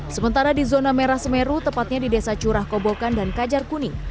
sementara di zona merah semeru tepatnya di desa curah kobokan dan kajar kuning